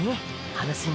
話に？